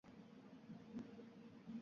Lallaymiy ket.